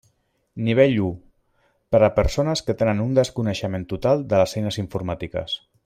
Nivell u, per a persones que tenen un desconeixement total de les eines informàtiques.